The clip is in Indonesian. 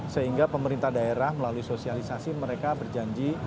sehingga pemerintah daerah melalui sosialisasi mereka berjanji